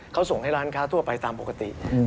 เขาส่งให้ร้านค้าทั่วไปตามปกติ